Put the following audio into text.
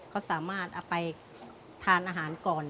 เขาสามารถเอาไปทานอาหารก่อน